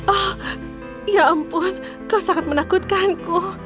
oh ya ampun kau sangat menakutkanku